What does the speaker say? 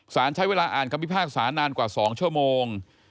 สารใช้เวลาอ่านคำพิพากษานานกว่า๒ชั่วโมง